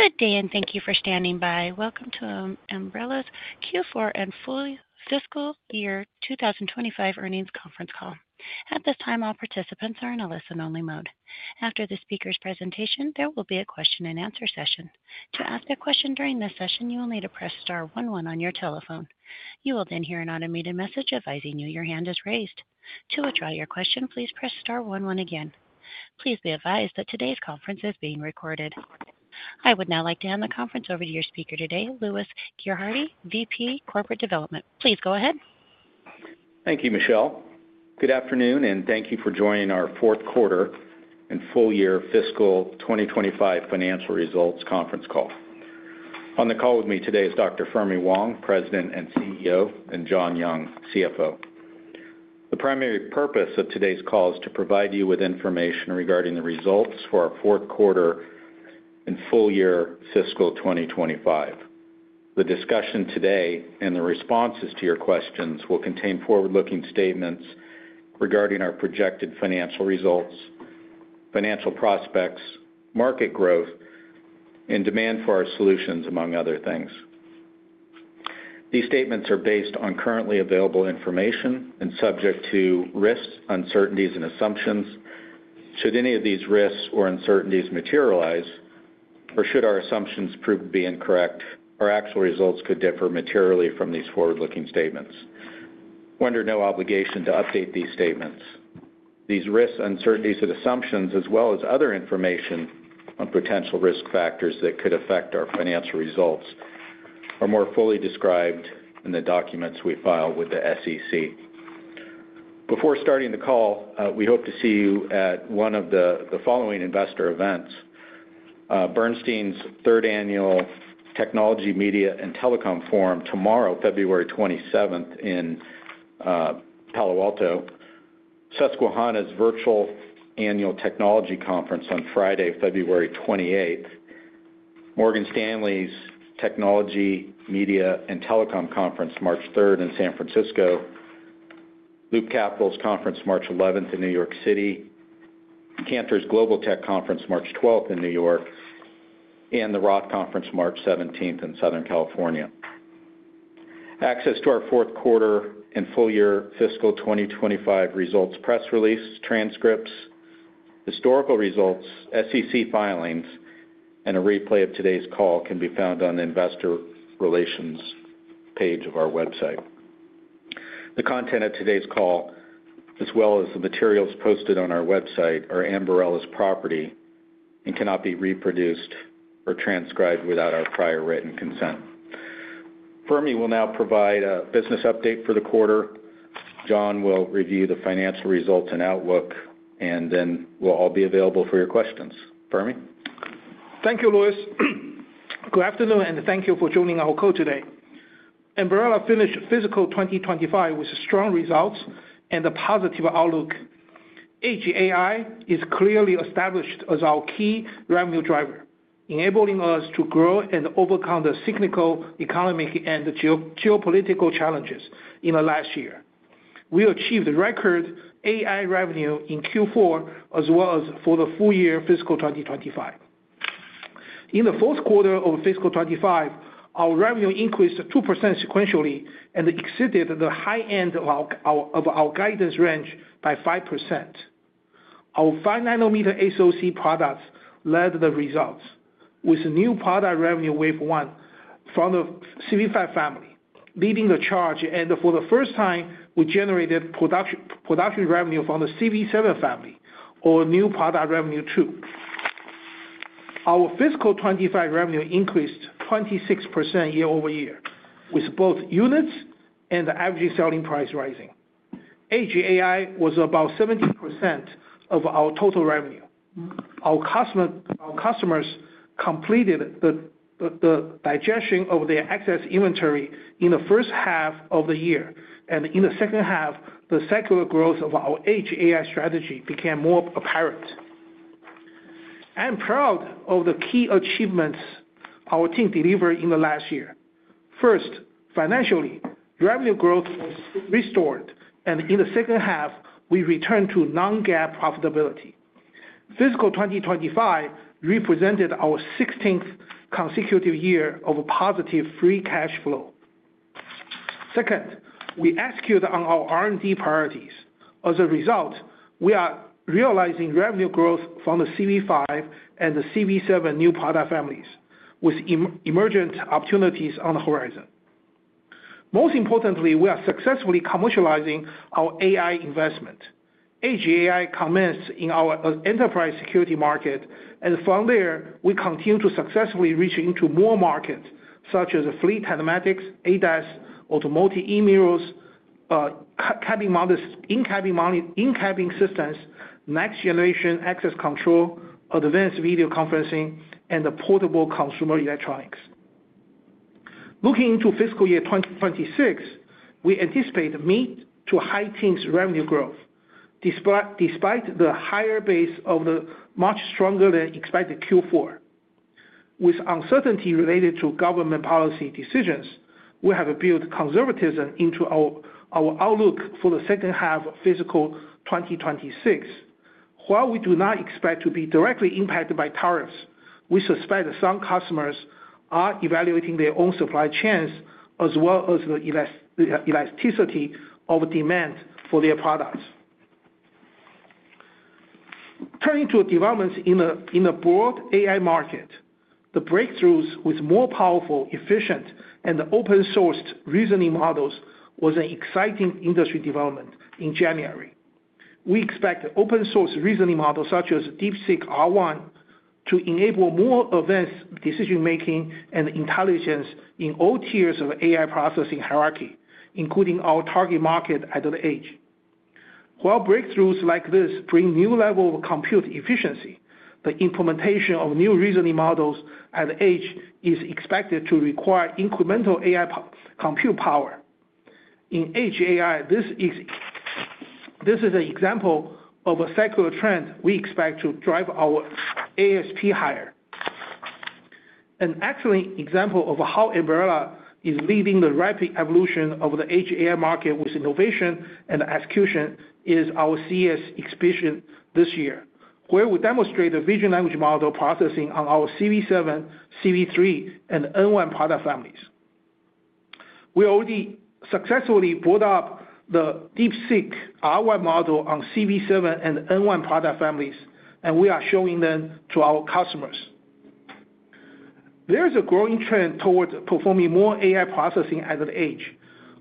Good day, and thank you for standing by. Welcome to Ambarella's Q4 and Full Fiscal Year 2025 Earnings Conference Call. At this time, all participants are in a listen-only mode. After the speaker's presentation, there will be a question-and-answer session. To ask a question during this session, you will need to press star one one on your telephone. You will then hear an automated message advising you your hand is raised. To withdraw your question, please press star one one again. Please be advised that today's conference is being recorded. I would now like to hand the conference over to your speaker today, Louis Gerhardy, VP, Corporate Development. Please go ahead. Thank you, Michelle. Good afternoon, and thank you for joining our Fourth Quarter and Full Year Fiscal 2025 Financial Results Conference Call. On the call with me today is Dr. Fermi Wang, President and CEO, and John Young, CFO. The primary purpose of today's call is to provide you with information regarding the results for our fourth quarter and full year fiscal 2025. The discussion today and the responses to your questions will contain forward-looking statements regarding our projected financial results, financial prospects, market growth, and demand for our solutions, among other things. These statements are based on currently available information and subject to risks, uncertainties, and assumptions. Should any of these risks or uncertainties materialize, or should our assumptions prove to be incorrect, our actual results could differ materially from these forward-looking statements. We're under no obligation to update these statements. These risks, uncertainties, and assumptions, as well as other information on potential risk factors that could affect our financial results, are more fully described in the documents we file with the SEC. Before starting the call, we hope to see you at one of the following investor events. Bernstein's Third Annual Technology, Media, and Telecom Forum tomorrow, February 27th, in Palo Alto. Susquehanna's Virtual Annual Technology Conference on Friday, February 28th. Morgan Stanley's Technology, Media, and Telecom Conference, March 3rd, in San Francisco. Loop Capital's Conference, March 11th, in New York City. Cantor's Global Tech Conference, March 12th, in New York. And the Roth Conference, March 17th, in Southern California. Access to our fourth quarter and full year fiscal 2025 results press releases, transcripts, historical results, SEC filings, and a replay of today's call can be found on the investor relations page of our website. The content of today's call, as well as the materials posted on our website, are Ambarella's property and cannot be reproduced or transcribed without our prior written consent. Fermi will now provide a business update for the quarter. John will review the financial results and outlook, and then we'll all be available for your questions. Fermi? Thank you, Louis. Good afternoon, and thank you for joining our call today. Ambarella finished fiscal 2025 with strong results and a positive outlook. Edge AI is clearly established as our key revenue driver, enabling us to grow and overcome the cyclical economic and geopolitical challenges in the last year. We achieved record AI revenue in Q4, as well as for the full year fiscal 2025. In the fourth quarter of fiscal 25, our revenue increased 2% sequentially and exceeded the high end of our guidance range by 5%. Our 5nm SoC products led the results, with new product revenue wave 1 from the CV5 family, leading the charge. And for the first time, we generated production revenue from the CV7 family, or new product revenue 2. Our fiscal 25 revenue increased 26% year-over-year, with both units and the average selling price rising. Edge AI was about 70% of our total revenue. Our customers completed the digestion of their excess inventory in the first half of the year, and in the second half, the secular growth of our edge AI strategy became more apparent. I'm proud of the key achievements our team delivered in the last year. First, financially, revenue growth was restored, and in the second half, we returned to non-GAAP profitability. Fiscal 2025 represented our 16th consecutive year of positive free cash flow. Second, we executed on our R&D priorities. As a result, we are realizing revenue growth from the CV5 and the CV7 new product families, with emergent opportunities on the horizon. Most importantly, we are successfully commercializing our AI investment. AI commenced in our enterprise security market, and from there, we continue to successfully reach into more markets such as fleet telematics, ADAS, automotive e-mirrors, cabin monitors, in-cabin systems, next-generation access control, advanced video conferencing, and portable consumer electronics. Looking into fiscal year 2026, we anticipate mid to high-teens revenue growth, despite the higher base of the much stronger than expected Q4. With uncertainty related to government policy decisions, we have built conservatism into our outlook for the second half of fiscal 2026. While we do not expect to be directly impacted by tariffs, we suspect some customers are evaluating their own supply chains, as well as the elasticity of demand for their products. Turning to developments in the broad AI market, the breakthroughs with more powerful, efficient, and open-source reasoning models was an exciting industry development in January. We expect open-source reasoning models such as DeepSeek-R1 to enable more advanced decision-making and intelligence in all tiers of AI processing hierarchy, including our target market at the edge. While breakthroughs like this bring new levels of compute efficiency, the implementation of new reasoning models at the edge is expected to require incremental AI compute power. In edge AI, this is an example of a secular trend we expect to drive our ASP higher. An excellent example of how Ambarella is leading the rapid evolution of the edge AI market with innovation and execution is our CES exhibition this year, where we demonstrate the vision language model processing on our CV7, CV3, and N1 product families. We already successfully brought up the DeepSeek-R1 model on CV7 and N1 product families, and we are showing them to our customers. There is a growing trend towards performing more AI processing at the edge,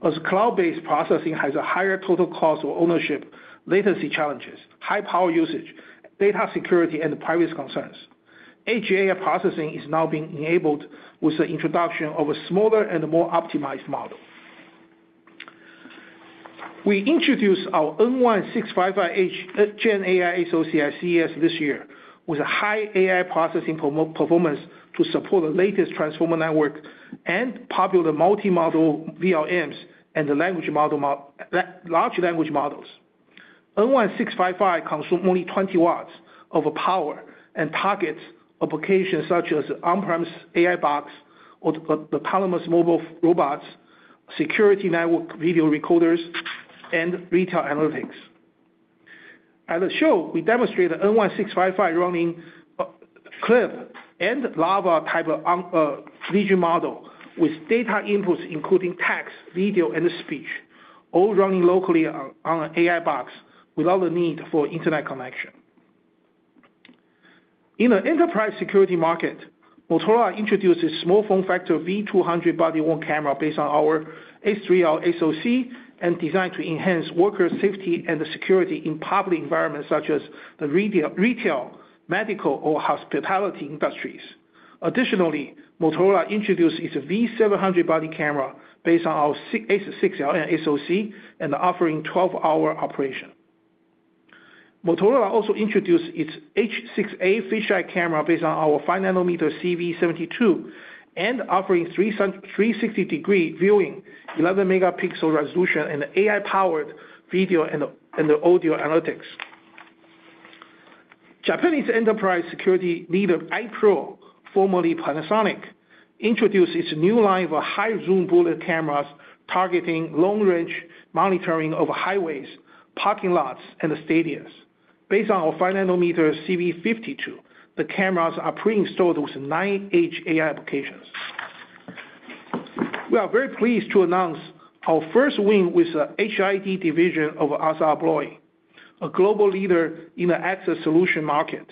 as cloud-based processing has a higher total cost of ownership, latency challenges, high power usage, data security, and privacy concerns. Edge AI processing is now being enabled with the introduction of a smaller and more optimized model. We introduced our N1-655 Gen AI SoC at CES this year with a high AI processing performance to support the latest transformer network and popular multi-modal VLMs and large language models. N1-655 consumes only 20W of power and targets applications such as on-premise AI box, the autonomous mobile robots, security network video recorders, and retail analytics. At the show, we demonstrated N1-655 running CLIP and LLaVA type of vision model with data inputs, including text, video, and speech, all running locally on an AI box without the need for internet connection. In the enterprise security market, Motorola introduced a small form factor V200 body-worn camera based on our H3R SoC and designed to enhance worker safety and security in public environments such as the retail, medical, or hospitality industries. Additionally, Motorola introduced its V700 body camera based on our H6R SoC and offering 12-hour operation. Motorola also introduced its H6A fisheye camera based on our 5-nm CV72 and offering 360-degree viewing, 11MP resolution, and AI-powered video and audio analytics. Japanese enterprise security leader i-PRO, formerly Panasonic, introduced its new line of high-zoom bullet cameras targeting long-range monitoring of highways, parking lots, and stadiums. Based on our 5-nm CV52, the cameras are pre-installed with nine edge AI applications. We are very pleased to announce our first win with the HID division of ASSA ABLOY, a global leader in the access solution market.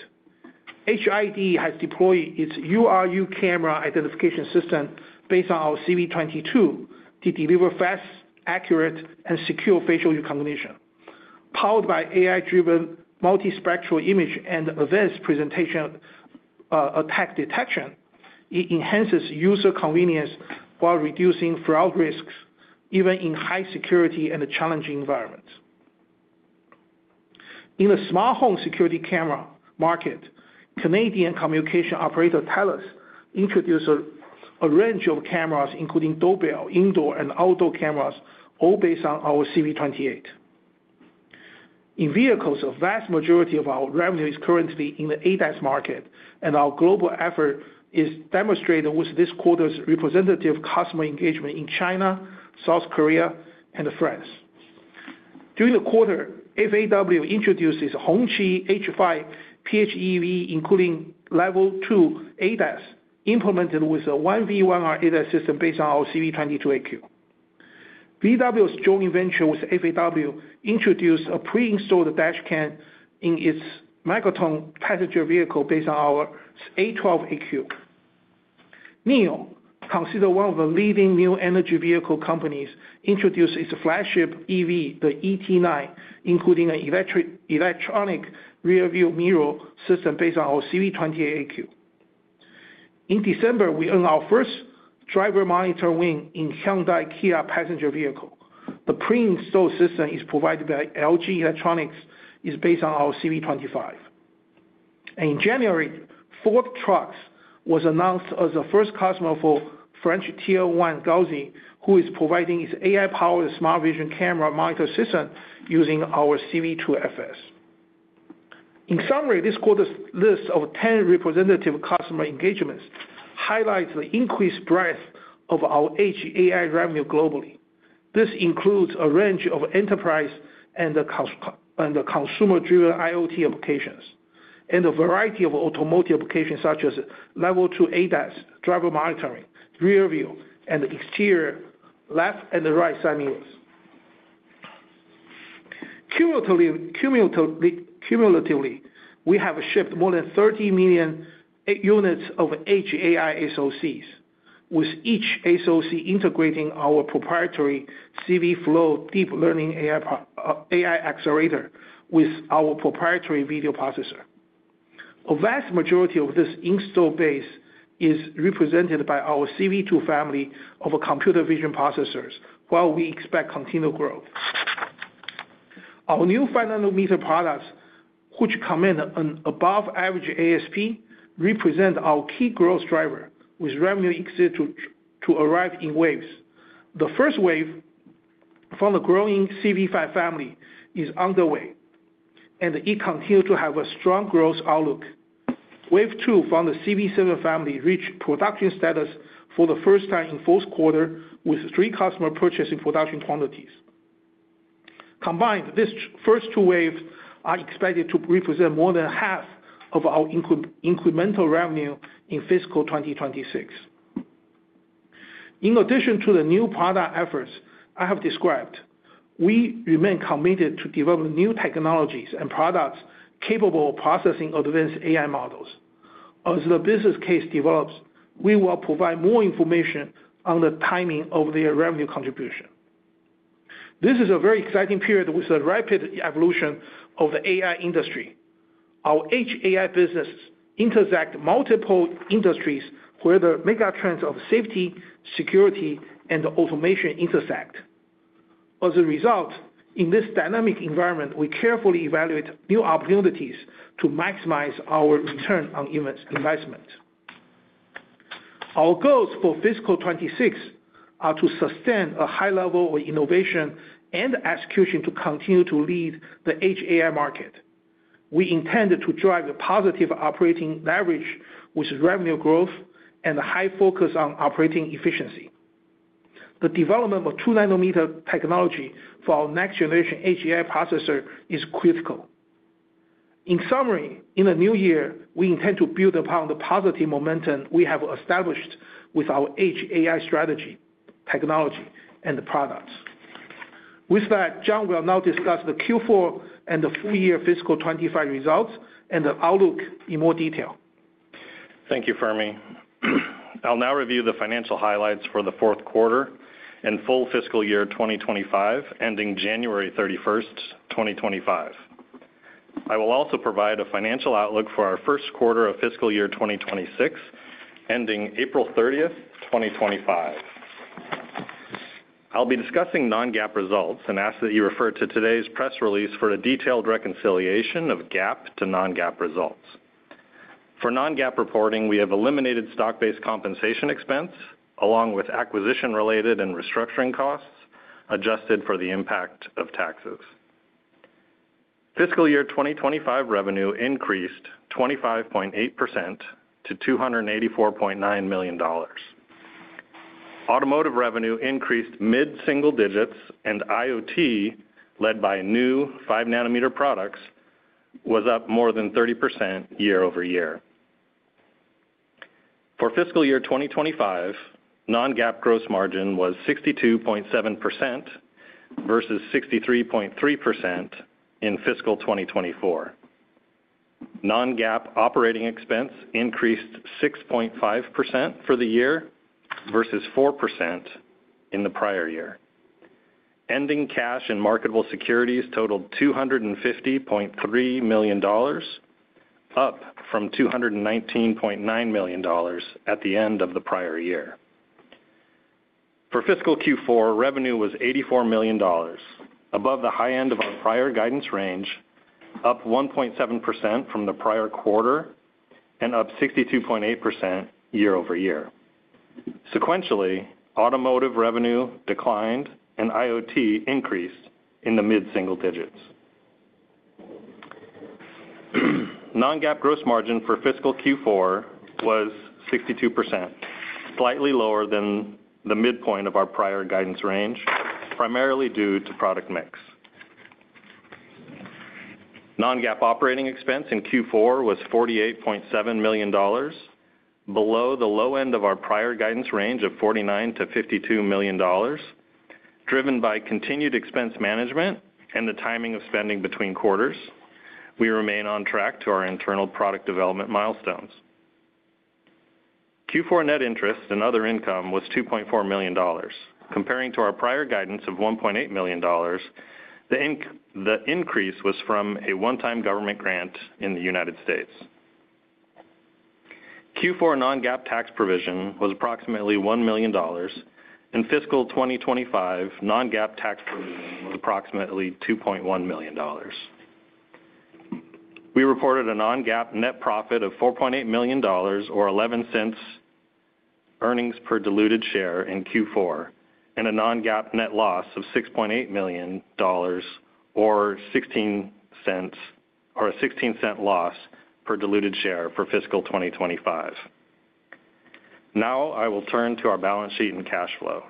HID has deployed its U.are.U camera identification system based on our CV22 to deliver fast, accurate, and secure facial recognition. Powered by AI-driven multispectral image and advanced presentation attack detection, it enhances user convenience while reducing fraud risks, even in high-security and challenging environments. In the smart home security camera market, Canadian communication operator Telus introduced a range of cameras, including doorbell, indoor, and outdoor cameras, all based on our CV28. In vehicles, a vast majority of our revenue is currently in the ADAS market, and our global effort is demonstrated with this quarter's representative customer engagement in China, South Korea, and France. During the quarter, FAW introduced its Hongqi H5 PHEV, including Level 2 ADAS, implemented with a 1V1R ADAS system based on our CV22AQ. VW's joint venture with FAW introduced a pre-installed dash cam in its Magotan passenger vehicle based on our A12AQ. NIO, considered one of the leading new energy vehicle companies, introduced its flagship EV, the ET9, including an electronic rearview mirror system based on our CV28AQ. In December, we earned our first driver monitor win in Hyundai Kia passenger vehicle. The pre-installed system is provided by LG Electronics, based on our CV25. In January, Ford Trucks was announced as the first customer for French Tier 1 Gauzy, who is providing its AI-powered smart vision camera monitor system using our CV2FS. In summary, this quarter's list of 10 representative customer engagements highlights the increased breadth of our edge AI revenue globally. This includes a range of enterprise and consumer-driven IoT applications, and a variety of automotive applications such as Level 2 ADAS, driver monitoring, rearview, and exterior left and right side mirrors. Cumulatively, we have shipped more than 30 million units of edge AI SoCs, with each SoC integrating our proprietary CVflow deep learning AI accelerator with our proprietary video processor. A vast majority of this installed base is represented by our CV2 family of computer vision processors, while we expect continual growth. Our new 5-nm products, which command an above-average ASP, represent our key growth driver, with revenue expected to arrive in waves. The first wave from the growing CV5 family is underway, and it continues to have a strong growth outlook. Wave two from the CV7 family reached production status for the first time in the fourth quarter, with three customers purchasing production quantities. Combined, these first two waves are expected to represent more than half of our incremental revenue in fiscal 2026. In addition to the new product efforts I have described, we remain committed to developing new technologies and products capable of processing advanced AI models. As the business case develops, we will provide more information on the timing of their revenue contribution. This is a very exciting period with the rapid evolution of the AI industry. Our edge AI business intersects multiple industries where the mega trends of safety, security, and automation intersect. As a result, in this dynamic environment, we carefully evaluate new opportunities to maximize our return on investment. Our goals for fiscal 2026 are to sustain a high level of innovation and execution to continue to lead the edge AI market. We intend to drive a positive operating leverage with revenue growth and a high focus on operating efficiency. The development of 2nm technology for our next-generation edge AI processor is critical. In summary, in the new year, we intend to build upon the positive momentum we have established with our AI strategy, technology, and products. With that, John will now discuss the Q4 and the full year fiscal 25 results and the outlook in more detail. Thank you, Fermi. I'll now review the financial highlights for the fourth quarter and full fiscal year 2025 ending January 31st, 2025. I will also provide a financial outlook for our first quarter of fiscal year 2026 ending April 30th, 2025. I'll be discussing non-GAAP results and ask that you refer to today's press release for a detailed reconciliation of GAAP to non-GAAP results. For non-GAAP reporting, we have eliminated stock-based compensation expense, along with acquisition-related and restructuring costs adjusted for the impact of taxes. Fiscal year 2025 revenue increased 25.8% to $284.9 million. Automotive revenue increased mid-single digits, and IoT, led by new 5-nm products, was up more than 30% year-over-year. For fiscal year 2025, non-GAAP gross margin was 62.7% versus 63.3% in fiscal 2024. Non-GAAP operating expense increased 6.5% for the year versus 4% in the prior year. Ending cash and marketable securities totaled $250.3 million, up from $219.9 million at the end of the prior year. For fiscal Q4, revenue was $84 million, above the high end of our prior guidance range, up 1.7% from the prior quarter, and up 62.8% year-over-year. Sequentially, Automotive revenue declined and IoT increased in the mid-single digits. Non-GAAP gross margin for fiscal Q4 was 62%, slightly lower than the midpoint of our prior guidance range, primarily due to product mix. Non-GAAP operating expense in Q4 was $48.7 million, below the low end of our prior guidance range of $49 million-$52 million, driven by continued expense management and the timing of spending between quarters. We remain on track to our internal product development milestones. Q4 net interest and other income was $2.4 million. Comparing to our prior guidance of $1.8 million, the increase was from a one-time government grant in the United States. Q4 non-GAAP tax provision was approximately $1 million, and fiscal 2025 non-GAAP tax provision was approximately $2.1 million. We reported a non-GAAP net profit of $4.8 million, or $0.11 earnings per diluted share in Q4, and a non-GAAP net loss of $6.8 million, or a $0.16 loss per diluted share for fiscal 2025. Now I will turn to our balance sheet and cash flow.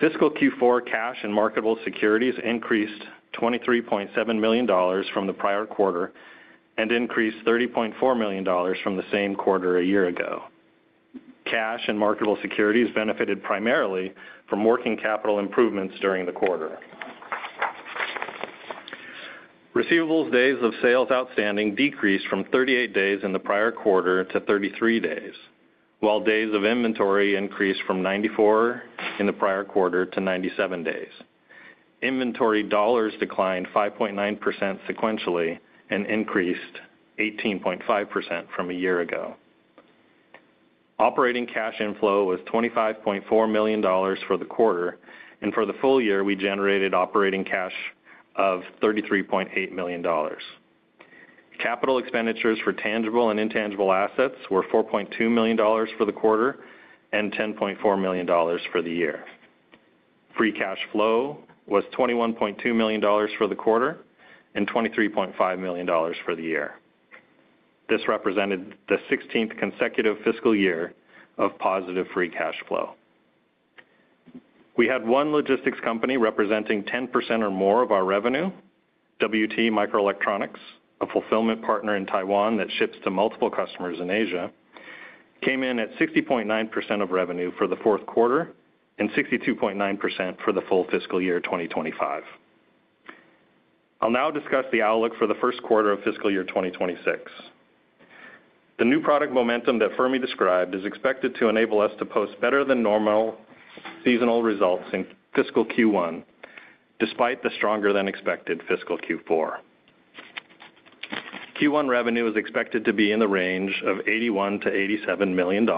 Fiscal Q4 cash and marketable securities increased $23.7 million from the prior quarter and increased $30.4 million from the same quarter a year ago. Cash and marketable securities benefited primarily from working capital improvements during the quarter. Receivables days of sales outstanding decreased from 38 days in the prior quarter to 33 days, while days of inventory increased from 94 in the prior quarter to 97 days. Inventory dollars declined 5.9% sequentially and increased 18.5% from a year ago. Operating cash inflow was $25.4 million for the quarter, and for the full year, we generated operating cash of $33.8 million. Capital expenditures for tangible and intangible assets were $4.2 million for the quarter and $10.4 million for the year. Free cash flow was $21.2 million for the quarter and $23.5 million for the year. This represented the 16th consecutive fiscal year of positive free cash flow. We had one logistics company representing 10% or more of our revenue, WT Microelectronics, a fulfillment partner in Taiwan that ships to multiple customers in Asia, came in at 60.9% of revenue for the fourth quarter and 62.9% for the full fiscal year 2025. I'll now discuss the outlook for the first quarter of fiscal year 2026. The new product momentum that Fermi described is expected to enable us to post better than normal seasonal results in fiscal Q1, despite the stronger-than-expected fiscal Q4. Q1 revenue is expected to be in the range of $81 million-$87 million,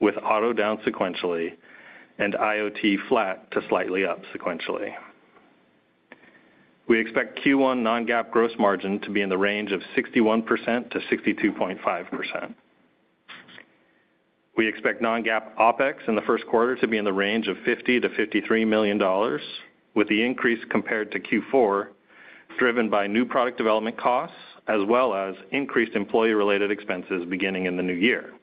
with auto down sequentially and IoT flat to slightly up sequentially. We expect Q1 non-GAAP gross margin to be in the range of 61%-62.5%. We expect non-GAAP OpEx in the first quarter to be in the range of $50 million-$53 million, with the increase compared to Q4 driven by new product development costs as well as increased employee-related expenses beginning in the new year.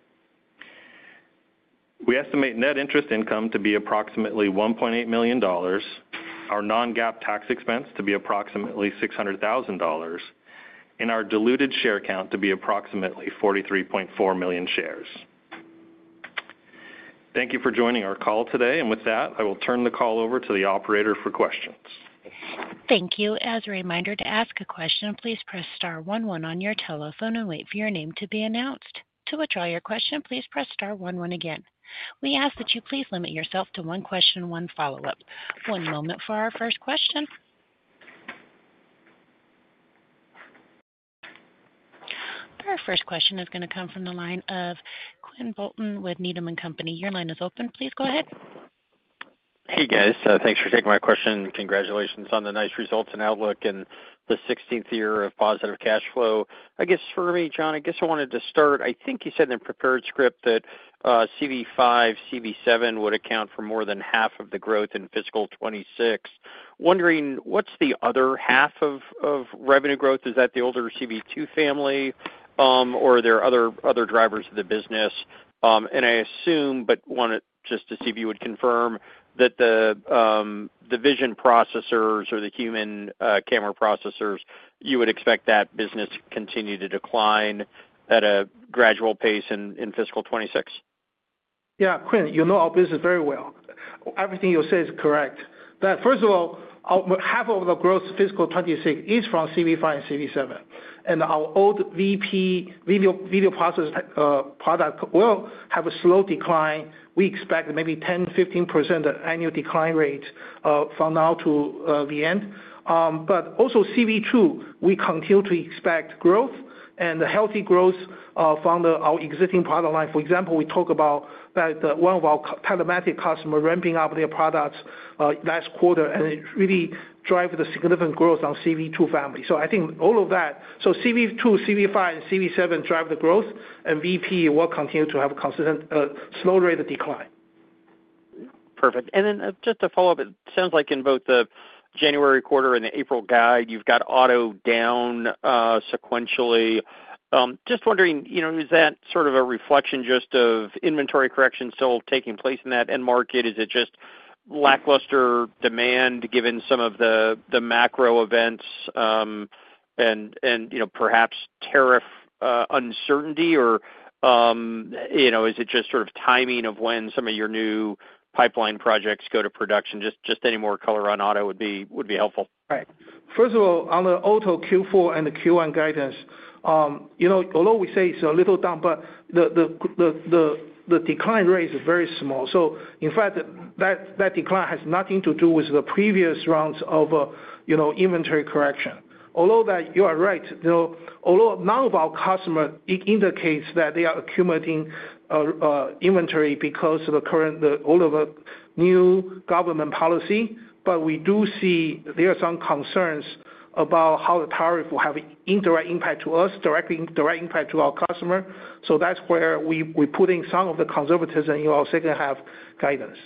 We estimate net interest income to be approximately $1.8 million, our non-GAAP tax expense to be approximately $600 thousand and our diluted share count to be approximately 43.4 million shares. Thank you for joining our call today, and with that, I will turn the call over to the operator for questions. Thank you. As a reminder, to ask a question, please press star one one on your telephone and wait for your name to be announced. To withdraw your question, please press star one one again. We ask that you please limit yourself to one question and one follow-up. One moment for our first question. Our first question is going to come from the line of Quinn Bolton with Needham & Company. Your line is open. Please go ahead. Hey, guys. Thanks for taking my question. Congratulations on the nice results and outlook and the 16th year of positive cash flow. I guess, Fermi, John, I guess I wanted to start. I think you said in the prepared script that CV5, CV7 would account for more than half of the growth in fiscal 26. Wondering, what's the other half of revenue growth? Is that the older CV2 family, or are there other drivers of the business? And I assume, but wanted just to see if you would confirm that the vision processors or the home and security camera processors, you would expect that business to continue to decline at a gradual pace in fiscal 26? Yeah, Quinn, you know our business very well. Everything you say is correct. First of all, half of the growth fiscal 2026 is from CV5 and CV7. And our old video processor product will have a slow decline. We expect maybe 10%-15% annual decline rate from now to the end. But also CV2, we continue to expect growth and healthy growth from our existing product line. For example, we talk about one of our telematic customers ramping up their products last quarter and really driving the significant growth on CV2 family. So, I think all of that, so CV2, CV5, and CV7 drive the growth, and VP will continue to have a consistent slow rate of decline. Perfect. And then just to follow up, it sounds like in both the January quarter and the April guide, you've got auto down sequentially. Just wondering, is that sort of a reflection just of inventory correction still taking place in that end market? Is it just lackluster demand given some of the macro events and perhaps tariff uncertainty, or is it just sort of timing of when some of your new pipeline projects go to production? Just any more color on auto would be helpful. Right. First of all, on the auto Q4 and the Q1 guidance, although we say it's a little down, but the decline rate is very small. So, in fact, that decline has nothing to do with the previous rounds of inventory correction. Although that you are right, although none of our customers indicate that they are accumulating inventory because of all of the new government policy, but we do see there are some concerns about how the tariff will have indirect impact to us, direct impact to our customer. So that's where we put in some of the conservatism in our second-half guidance.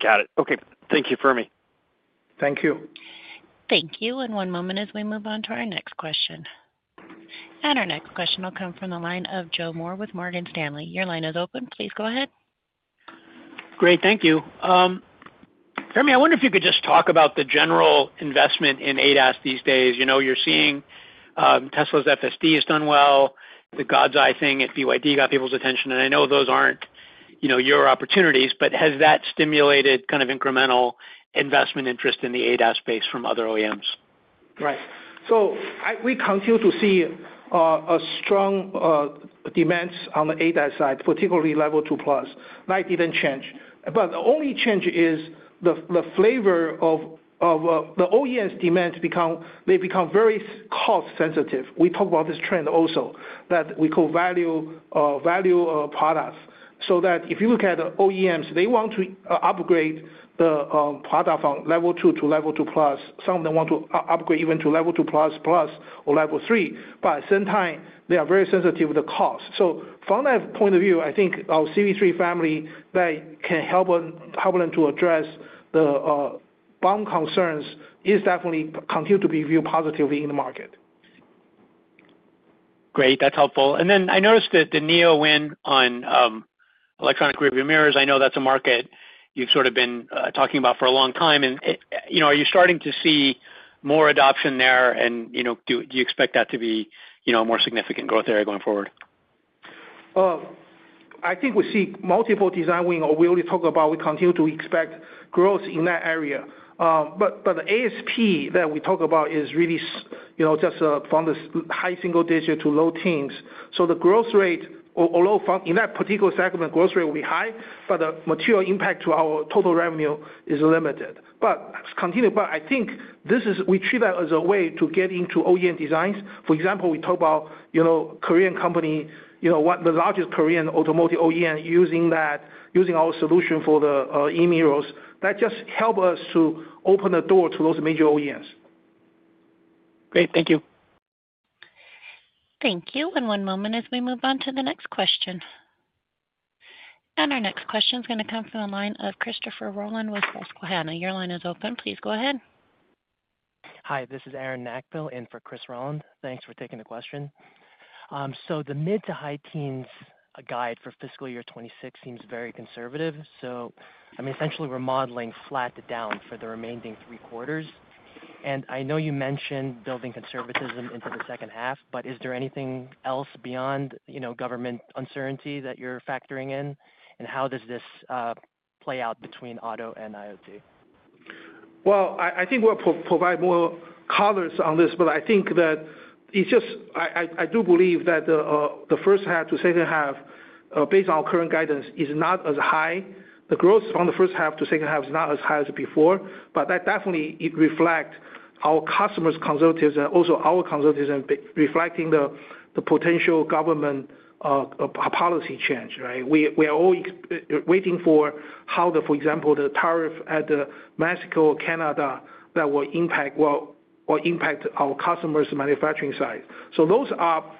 Got it. Okay. Thank you, Fermi. Thank you. Thank you. And one moment as we move on to our next question. And our next question will come from the line of Joe Moore with Morgan Stanley. Your line is open. Please go ahead. Great. Thank you. Fermi, I wonder if you could just talk about the general investment in ADAS these days. You're seeing Tesla's FSD has done well, the God's Eye thing at BYD got people's attention. And I know those aren't your opportunities, but has that stimulated kind of incremental investment interest in the ADAS space from other OEMs? Right. So we continue to see a strong demand on the ADAS side, particularly Level 2+. That didn't change. But the only change is the flavor of the OEMs' demands, they've become very cost-sensitive. We talk about this trend also that we call value products. So that if you look at the OEMs, they want to upgrade the product from Level 2 to Level 2+. Some of them want to upgrade even to Level 2++ or Level 3. But at the same time, they are very sensitive to the cost. So, from that point of view, I think our CV3 family that can help them to address the bond concerns is definitely continuing to be viewed positively in the market. Great. That's helpful. And then I noticed that the NIO win on electronic rear-view mirrors, I know that's a market you've sort of been talking about for a long time. And are you starting to see more adoption there, and do you expect that to be a more significant growth area going forward? I think we see multiple design wins or we only talk about we continue to expect growth in that area. But the ASP that we talk about is really just from the high single digit to low teens. So the growth rate, although in that particular segment, growth rate will be high, but the material impact to our total revenue is limited. But I think we treat that as a way to get into OEM designs. For example, we talk about Korean company, the largest Korean automotive OEM using our solution for the e-mirrors. That just helps us to open the door to those major OEMs. Great. Thank you. Thank you. And one moment as we move on to the next question. And our next question is going to come from the line of Christopher Rolland with Susquehanna. Your line is open. Please go ahead. Hi. This is Aren Nakpil in for Chris Rolland. Thanks for taking the question. So, the mid to high teens guide for fiscal year 26 seems very conservative. So, I mean, essentially, we're modeling flat to down for the remaining three quarters. And I know you mentioned building conservatism into the second half, but is there anything else beyond government uncertainty that you're factoring in? And how does this play out between Auto and IoT? Well, I think we'll provide more color on this, but I think that it's just I do believe that the first half to second half, based on our current guidance, is not as high. The growth from the first half to second half is not as high as before, but that definitely reflects our customers' conservatism and also our conservatism in reflecting the potential government policy change, right? We are all waiting for how, for example, the tariff at Mexico or Canada that will impact our customers' manufacturing sites. So, those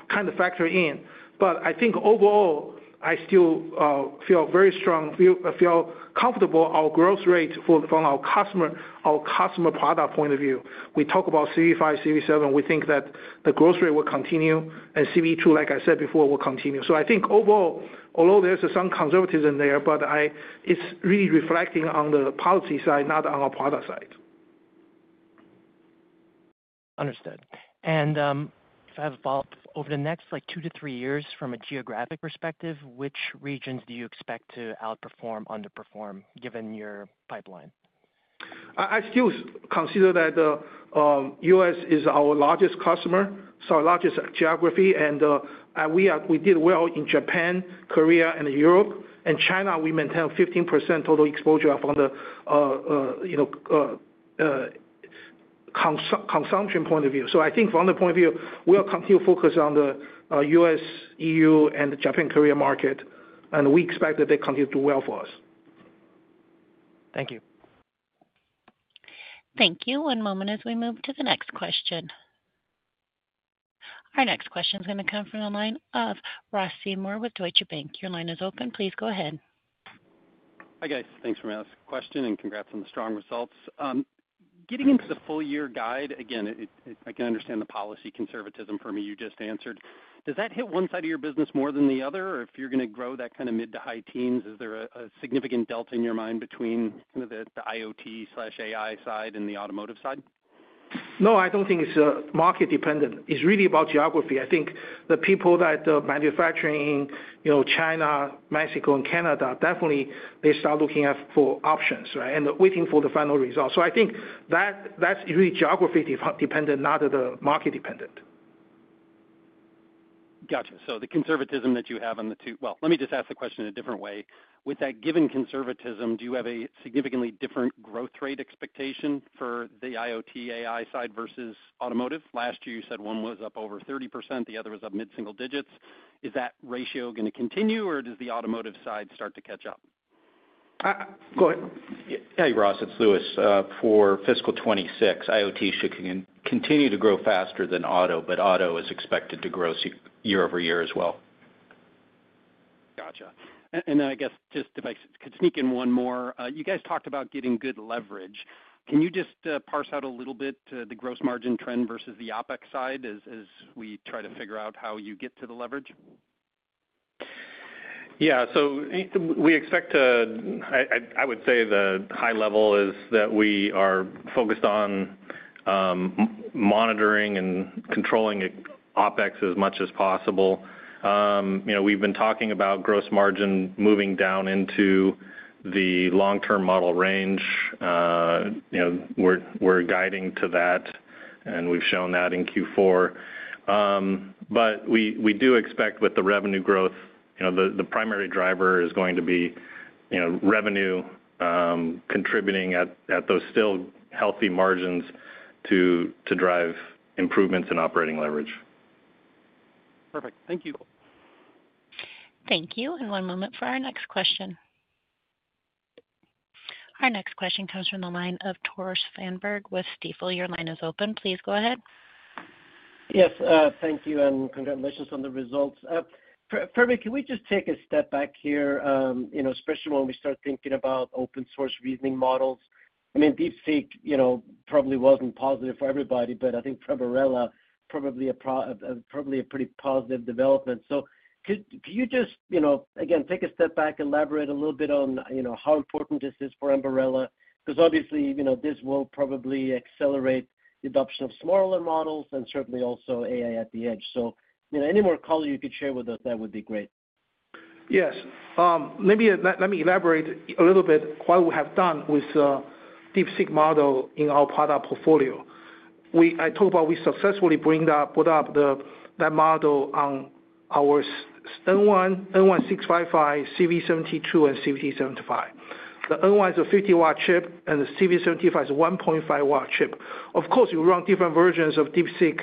kind of factor in. But I think overall, I still feel very strong, feel comfortable our growth rate from our customer product point of view. We talk about CV5, CV7. We think that the growth rate will continue, and CV2, like I said before, will continue. So, I think overall, although there's some conservatism in there, but it's really reflecting on the policy side, not on our product side. Understood. And if I have a follow-up, over the next two to three years, from a geographic perspective, which regions do you expect to outperform, underperform, given your pipeline? I still consider that the U.S. is our largest customer, so, our largest geography. And we did well in Japan, Korea, and Europe. In China, we maintain 15% total exposure from the consumption point of view. So, I think from the point of view, we'll continue to focus on the U.S., EU, and Japan-Korea market, and we expect that they continue to do well for us. Thank you. Thank you. One moment as we move to the next question. Our next question is going to come from the line of Ross Seymore with Deutsche Bank. Your line is open. Please go ahead. Hi, guys. Thanks for taking my last question, and congrats on the strong results. Getting into the full-year guide, again, I can understand the policy conservatism, Fermi, you just answered. Does that hit one side of your business more than the other? Or if you're going to grow that kind of mid to high teens, is there a significant doubt in your mind between the IoT/AI side and the automotive side? No, I don't think it's market-dependent. It's really about geography. I think the people that manufacturing in China, Mexico, and Canada, definitely, they start looking for options, right, and waiting for the final result. So, I think that's really geography-dependent, not market-dependent. Gotcha. So the conservatism that you have on the too well, let me just ask the question in a different way. With that given conservatism, do you have a significantly different growth rate expectation for the IoT/AI side versus automotive? Last year, you said one was up over 30%, the other was up mid-single digits. Is that ratio going to continue, or does the automotive side start to catch up? Go ahead. Hey, Ross. It's Louis. For fiscal 2026, IoT should continue to grow faster than auto, but auto is expected to grow year-over-year as well. Gotcha. And then I guess just if I could sneak in one more. You guys talked about getting good leverage. Can you just parse out a little bit the gross margin trend versus the OpEx side as we try to figure out how you get to the leverage? Yeah. So, we expect. I would say the high level is that we are focused on monitoring and controlling OpEx as much as possible. We've been talking about gross margin moving down into the long-term model range. We're guiding to that, and we've shown that in Q4. But we do expect with the revenue growth, the primary driver is going to be revenue contributing at those still healthy margins to drive improvements in operating leverage. Perfect. Thank you. Thank you. And one moment for our next question. Our next question comes from the line of Tore Svanberg with Stifel. Your line is open. Please go ahead. Yes. Thank you, and congratulations on the results. Fermi, can we just take a step back here, especially when we start thinking about open-source reasoning models? I mean, DeepSeek probably wasn't positive for everybody, but I think for Ambarella, probably a pretty positive development. So, could you just, again, take a step back, elaborate a little bit on how important this is for Ambarella? Because obviously, this will probably accelerate the adoption of smaller models and certainly also AI at the edge. So, any more colors you could share with us, that would be great. Yes. Let me elaborate a little bit what we have done with DeepSeek model in our product portfolio. I talk about we successfully brought up that model on our N1, N1-655, CV72, and CV75. The N1 is a 50W chip, and the CV75 is a 1.5W chip. Of course, you run different versions of DeepSeek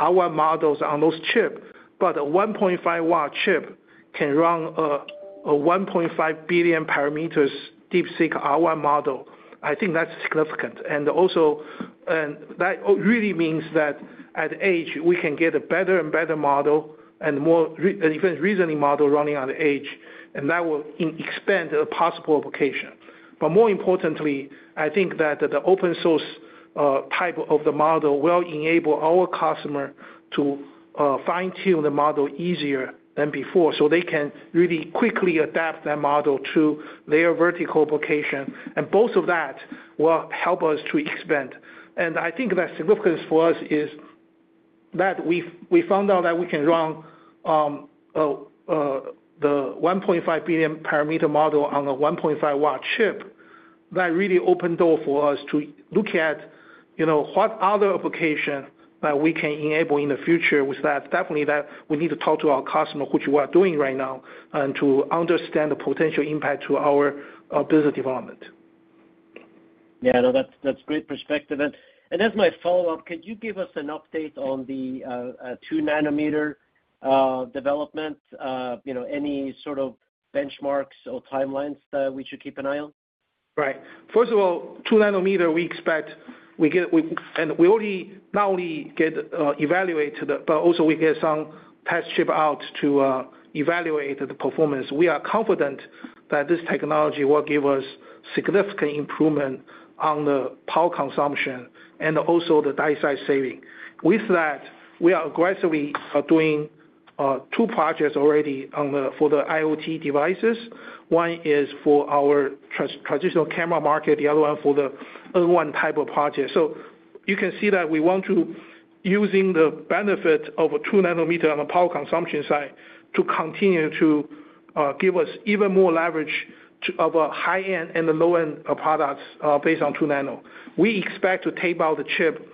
R1 models on those chips, but a 1.5W chip can run a 1.5 billion parameters DeepSeek R1 model. I think that's significant. And also, that really means that at edge, we can get a better and better model and even reasoning model running on edge, and that will expand a possible application. But more importantly, I think that the open-source type of the model will enable our customer to fine-tune the model easier than before so they can really quickly adapt that model to their vertical application. And both of that will help us to expand. And I think that significance for us is that we found out that we can run the 1.5 billion parameter model on a 1.5W chip. That really opened the door for us to look at what other application that we can enable in the future with that. Definitely, we need to talk to our customer, which we are doing right now, and to understand the potential impact to our business development. Yeah. No, that's great perspective. And as my follow-up, could you give us an update on the 2nm development? Any sort of benchmarks or timelines that we should keep an eye on? Right. First of all, 2nm, we expect and we already not only get evaluated, but also we get some test chip out to evaluate the performance. We are confident that this technology will give us significant improvement on the power consumption and also the die-size saving. With that, we are aggressively doing two projects already for the IoT devices. One is for our traditional camera market, the other one for the N1 type of project. So, you can see that we want to, using the benefit of 2nm on the power consumption side, to continue to give us even more leverage of a high-end and a low-end product based on 2-nano. We expect to tape out the chip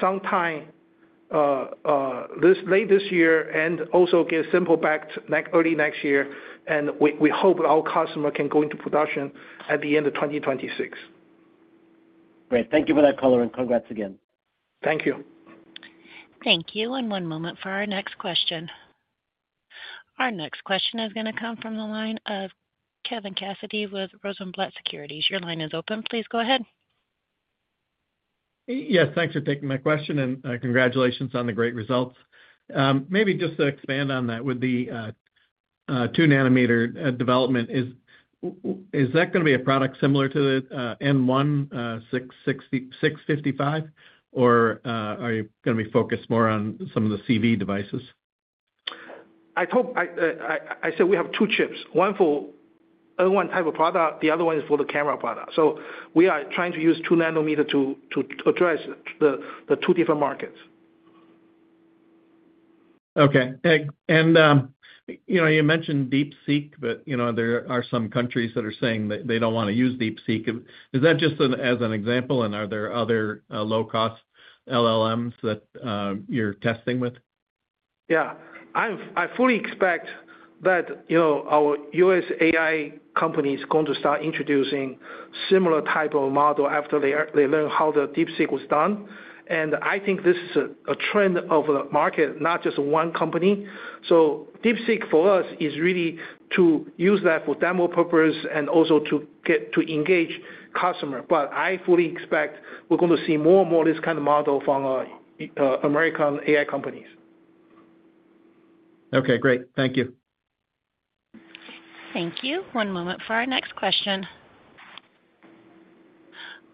sometime late this year and also get samples back early next year. We hope our customer can go into production at the end of 2026. Great. Thank you for that color, and congrats again. Thank you. Thank you. One moment for our next question. Our next question is going to come from the line of Kevin Cassidy with Rosenblatt Securities. Your line is open. Please go ahead. Yes. Thanks for taking my question, and congratulations on the great results. Maybe just to expand on that, with the 2nm development, is that going to be a product similar to the N1-655, or are you going to be focused more on some of the CV devices? I said we have two chips. One for N1 type of product, the other one is for the camera product. So, we are trying to use 2nm to address the two different markets. Okay. And you mentioned DeepSeek, but there are some countries that are saying they don't want to use DeepSeek. Is that just as an example, and are there other low-cost LLMs that you're testing with? Yeah. I fully expect that our U.S. AI companies are going to start introducing similar type of model after they learn how the DeepSeek was done. And I think this is a trend of the market, not just one company. So, DeepSeek for us is really to use that for demo purposes and also to engage customers. But I fully expect we're going to see more and more of this kind of model from American AI companies. Okay. Great. Thank you. Thank you. One moment for our next question.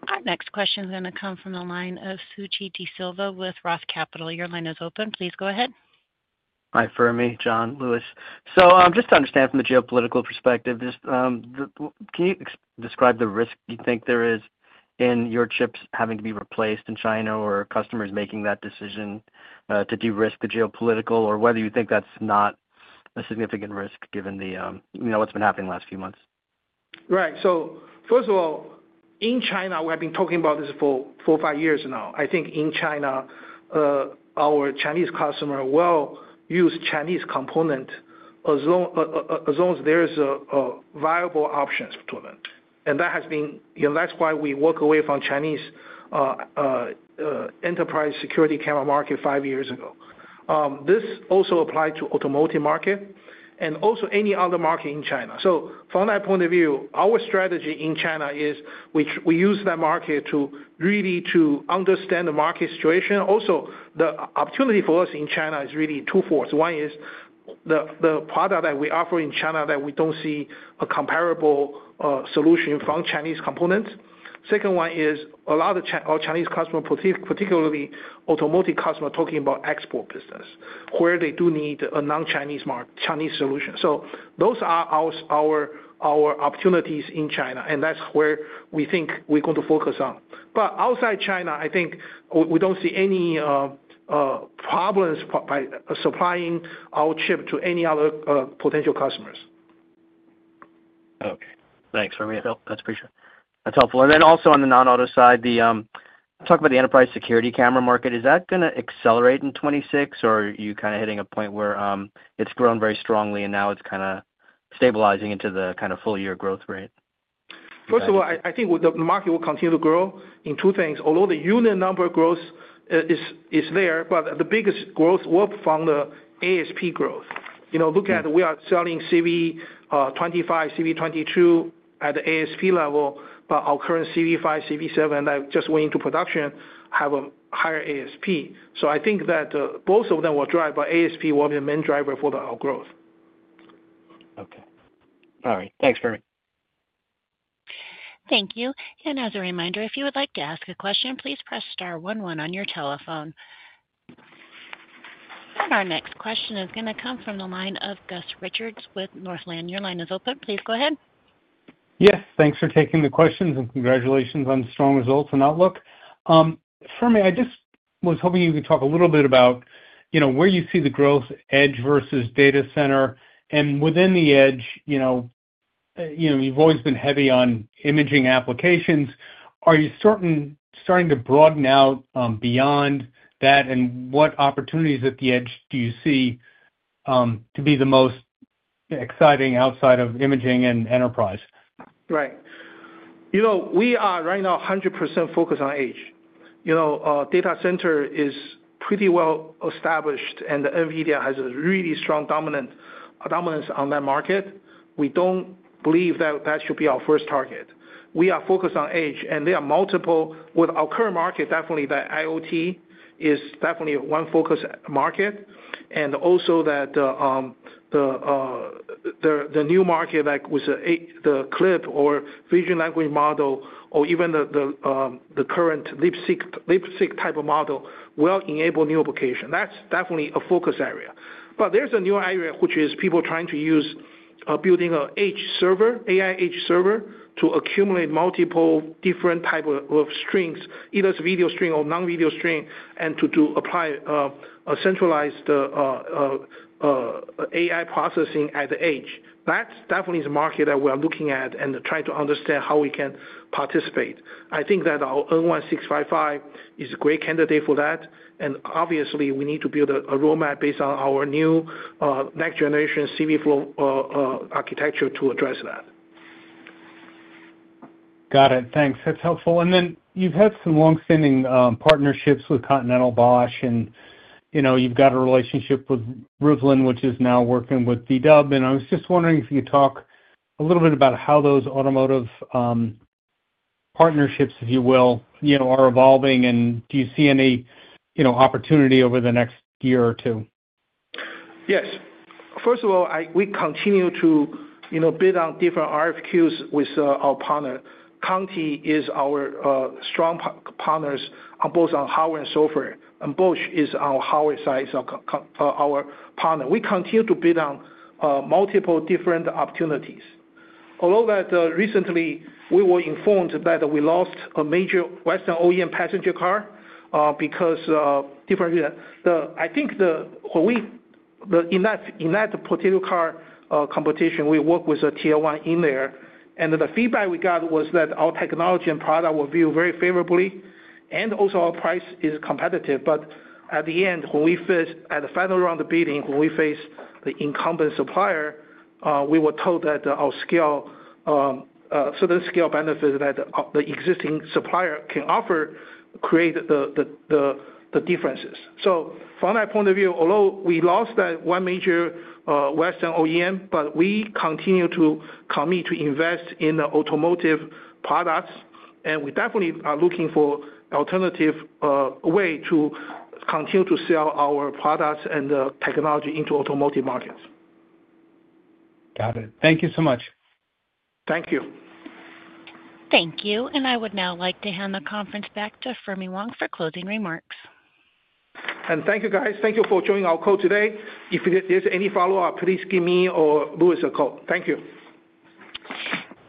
Our next question is going to come from the line of Suji Desilva with Roth Capital. Your line is open. Please go ahead. Hi, Fermi, John, Louis. So, just to understand from the geopolitical perspective, can you describe the risk you think there is in your chips having to be replaced in China or customers making that decision to de-risk the geopolitical, or whether you think that's not a significant risk given what's been happening the last few months? Right. So first of all, in China, we have been talking about this for four, five years now. I think in China, our Chinese customers will use Chinese components as long as there are viable options for them, and that's why we walked away from Chinese enterprise security camera market five years ago. This also applies to the automotive market and also any other market in China. From that point of view, our strategy in China is we use that market really to understand the market situation. Also, the opportunity for us in China is really twofold. One is the product that we offer in China that we don't see a comparable solution from Chinese components. Second one is a lot of our Chinese customers, particularly automotive customers, talking about export business, where they do need a non-Chinese solution. Those are our opportunities in China, and that's where we think we're going to focus on. But outside China, I think we don't see any problems supplying our chip to any other potential customers. Okay. Thanks, Fermi. That's helpful. And then also on the non-auto side, talk about the enterprise security camera market. Is that going to accelerate in 2026, or are you kind of hitting a point where it's grown very strongly and now it's kind of stabilizing into the kind of full-year growth rate? First of all, I think the market will continue to grow in two things. Although the unit number growth is there, but the biggest growth will be from the ASP growth. Look at we are selling CV25, CV22 at the ASP level, but our current CV5, CV7 that just went into production have a higher ASP. So, I think that both of them will drive, but ASP will be the main driver for our growth. Okay. All right. Thanks, Fermi. Thank you. And as a reminder, if you would like to ask a question, please press star one one on your telephone. And our next question is going to come from the line of Gus Richard with Northland. Your line is open. Please go ahead. Yes. Thanks for taking the questions, and congratulations on the strong results and outlook. Fermi, I just was hoping you could talk a little bit about where you see the growth, edge versus data center. And within the edge, you've always been heavy on imaging applications. Are you starting to broaden out beyond that, and what opportunities at the edge do you see to be the most exciting outside of imaging and enterprise? Right. We are right now 100% focused on edge. Data center is pretty well established, and NVIDIA has a really strong dominance on that market. We don't believe that that should be our first target. We are focused on edge, and there are multiple with our current market. Definitely that IoT is definitely one focus market, and also that the new market with the CLIP or vision language model, or even the current DeepSeek type of model will enable new applications. That's definitely a focus area. But there's a new area, which is people trying to use building an AI edge server to accumulate multiple different types of streams, either video stream or non-video stream, and to apply a centralized AI processing at the edge. That definitely is a market that we are looking at and trying to understand how we can participate. I think that our N1-655 is a great candidate for that, and obviously, we need to build a roadmap based on our new next-generation CVflow architecture to address that. Got it. Thanks. That's helpful. And then you've had some long-standing partnerships with Continental, Bosch, and you've got a relationship with Rivian which is now working with VW. And I was just wondering if you could talk a little bit about how those automotive partnerships, if you will, are evolving, and do you see any opportunity over the next year or two? Yes. First of all, we continue to build on different RFQs with our partner. Conti is our strong partners both on hardware and software, and Bosch is our hardware side as our partner. We continue to build on multiple different opportunities. Although, recently, we were informed that we lost a major Western OEM passenger car because different reasons. I think in that particular car competition, we worked with a Tier 1 in there. And the feedback we got was that our technology and product were viewed very favorably, and also our price is competitive. But at the end, when we faced at the final round of bidding, when we faced the incumbent supplier, we were told that our certain scale benefits that the existing supplier can offer created the differences. So, from that point of view, although we lost that one major Western OEM, we continue to commit to invest in the automotive products, and we definitely are looking for an alternative way to continue to sell our products and technology into automotive markets. Got it. Thank you so much. Thank you. Thank you. And I would now like to hand the conference back to Fermi Wang for closing remarks. And thank you, guys. Thank you for joining our call today. If there's any follow-up, please give me or Louis a call. Thank you.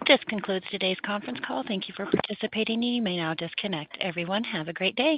This concludes today's conference call. Thank you for participating. You may now disconnect. Everyone, have a great day.